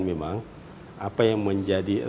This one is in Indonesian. memang apa yang menjadi